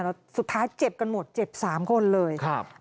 แล้วสุดท้ายเจ็บกันหมดเจ็บ๓คนเลยครับ